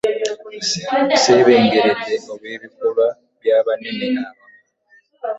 Aseebengeredde olw'ebikolwa by'abanene abamu.